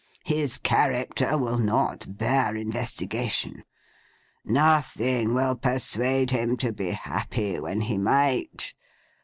His character will not bear investigation. Nothing will persuade him to be happy when he might.